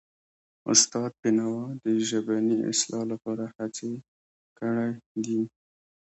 استاد بینوا د ژبني اصلاح لپاره هڅې کړی دي.